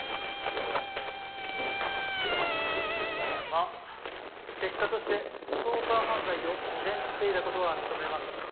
まっ結果としてストーカー犯罪を未然に防いだことは認めます。